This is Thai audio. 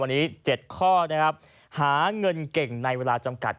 วันนี้๗ข้อนะครับหาเงินเก่งในเวลาจำกัด